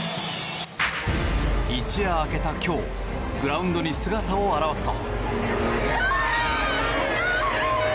一夜明けた今日グラウンドに姿を現すと。